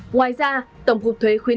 ngoài ra tổng cục thuế khuyên